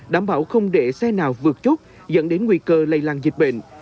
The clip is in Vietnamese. đảm bảo không để xe nào vượt chốt dẫn đến nguy cơ lây lan dịch bệnh